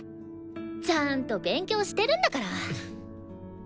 ちゃんと勉強してるんだから！